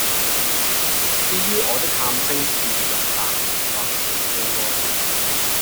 至于我的喊聲是勇猛或是悲哀，